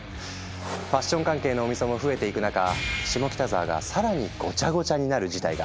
ファッション関係のお店も増えていく中下北沢が更にごちゃごちゃになる事態が。